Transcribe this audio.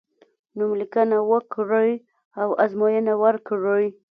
نوم لیکنه وکړی او ازموینه ورکړی.